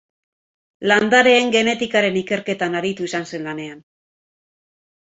Landareen genetikaren ikerketan aritu izan zen lanean.